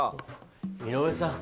井上さん。